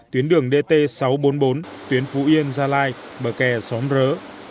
tuyến đường dt sáu trăm bốn mươi bốn tuyến phú yên gia lai bờ kè xóm rỡ